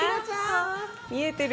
見えてる？